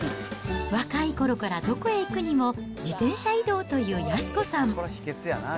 若いころからどこへ行くにも自転車移動という安子さん。